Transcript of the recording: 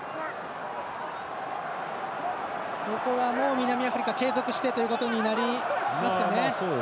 南アフリカ継続してということになりますかね。